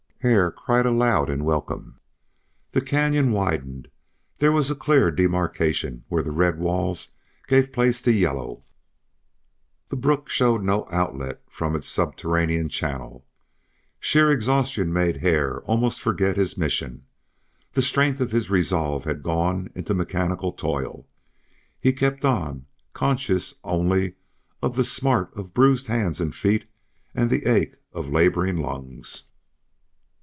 Hare cried aloud in welcome. The canyon widened; there was a clear demarcation where the red walls gave place to yellow; the brook showed no outlet from its subterranean channel. Sheer exhaustion made Hare almost forget his mission; the strength of his resolve had gone into mechanical toil; he kept on, conscious only of the smart of bruised hands and feet and the ache of laboring lungs.